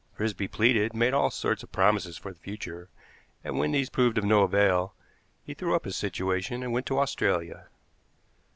Frisby pleaded, made all sorts of promises for the future, and, when these proved of no avail, he threw up his situation and went to Australia.